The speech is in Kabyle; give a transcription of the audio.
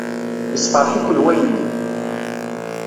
Yessefṛaḥ-iken wayenni?